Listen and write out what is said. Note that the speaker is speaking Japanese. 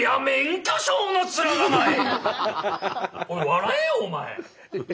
笑えよお前。